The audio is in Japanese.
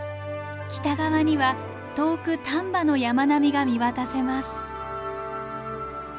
北側には遠く丹波の山並みが見渡せます。